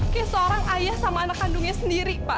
ke seorang ayah sama anak kandungnya sendiri pak